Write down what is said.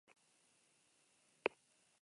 Oraingoz lagun onak egin dira.